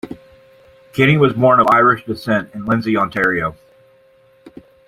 Kenny was born of Irish descent in Lindsay, Ontario.